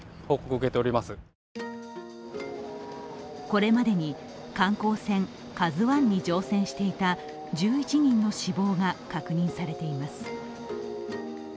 これまでに観光船「ＫＡＺＵⅠ」に乗船していた１１人の死亡が確認されています。